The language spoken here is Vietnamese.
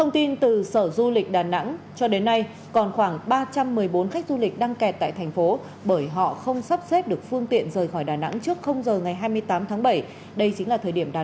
tìm cái sản phẩm để cho bảo vệ cho cả gia đình